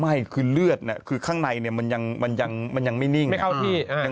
ไม่คือเลือดเนี่ยคือข้างในเนี่ยมันยังมันยังมันยังไม่นิ่ง